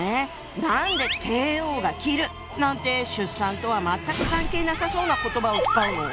何で「帝王が切る」なんて出産とは全く関係なさそうな言葉を使うの？